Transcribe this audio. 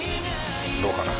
どうかな。